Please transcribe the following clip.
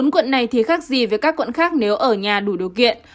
bốn quận này thì khác gì với các quận khác nếu ở nhà đủ điều kiện